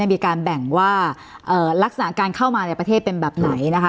มีการแบ่งว่าลักษณะการเข้ามาในประเทศเป็นแบบไหนนะคะ